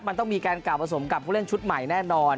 มันต้องมีการกล่าวผสมกับผู้เล่นชุดใหม่แน่นอน